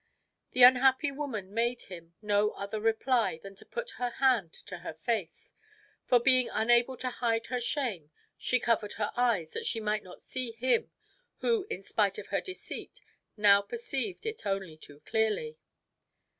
The unhappy woman made him no other reply than to put her hand to her face; for being unable to hide her shame, she covered her eyes that she might not see him who in spite of her deceit now perceived it only too clearly.